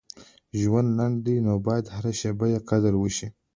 • ژوند لنډ دی، نو باید هره شیبه یې قدر وشي.